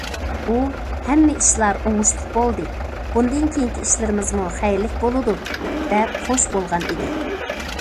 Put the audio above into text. ئۇ‹‹ ھەممە ئىشلار ئوڭۇشلۇق بولدى، بۇندىن كېيىنكى ئىشلىرىمىزمۇ خەيرلىك بولىدۇ›› دەپ خۇش بولغان ئىدى.